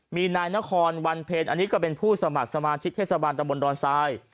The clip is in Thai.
มีนายนครวันเพ็ญอันนี้ก็เป็นผู้สมัครสมาชิกเทศบาลตะบนดอนทราย